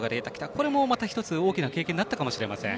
これも１つ大きな経験になったかもしれません。